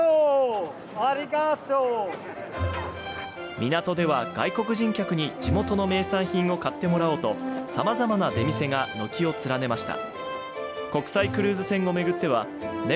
港では、外国人客に地元の名産品を買ってもらおうとさまざまな出店が軒を連ねました。